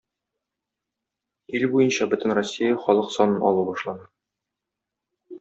Ил буенча Бөтенроссия халык санын алу башлана.